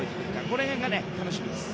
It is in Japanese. その辺が楽しみです。